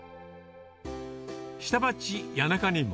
下町、谷中にも。